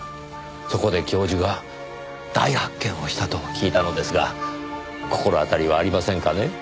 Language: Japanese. そこで教授が大発見をしたと聞いたのですが心当たりはありませんかね？